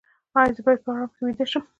ایا زه باید په ارام کې ویده شم؟